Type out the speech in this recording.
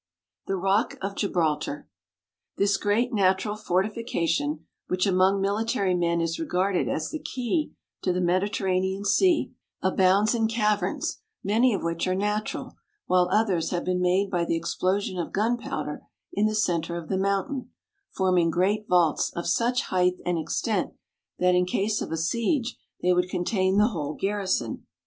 =The Rock of Gibraltar.= This great natural fortification, which among military men is regarded as the key to the Mediterranean Sea, abounds in caverns, many of which are natural, while others have been made by the explosion of gunpowder in the centre of the mountain, forming great vaults of such height and extent that in case of a siege they would contain the whole garrison.